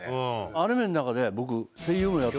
アニメの中で僕。